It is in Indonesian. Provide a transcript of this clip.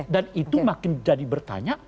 dan itu makin jadi bertanya